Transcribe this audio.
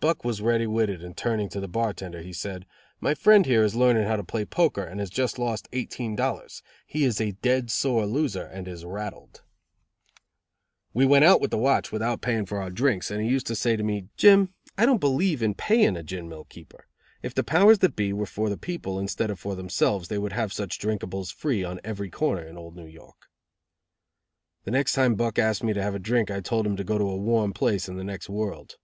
Buck was ready witted and turning to the bartender, said: "My friend here is learning how to play poker and has just lost eighteen dollars. He is a dead sore loser and is rattled." We went out with the watch, without paying for our drinks, and he said to me: "Jim, I don't believe in paying a gin mill keeper. If the powers that be were for the people instead of for themselves they would have such drinkables free on every corner in old New York." The next time Buck asked me to have a drink I told him to go to a warm place in the next world.